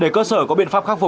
để cơ sở có biện pháp khắc phục